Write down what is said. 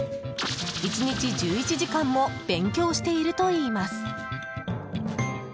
１日１１時間も勉強しているといいます。